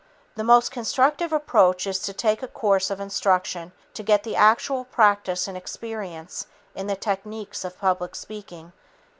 The most constructive approach is to take a course of instruction to get the actual practice and experience in the techniques of public speaking.